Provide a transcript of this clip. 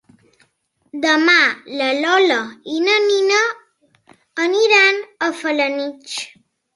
Demà na Lola i na Nina aniran a Felanitx.